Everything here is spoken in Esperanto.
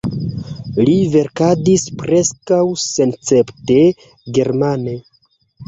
Li verkadis preskaŭ senescepte germane.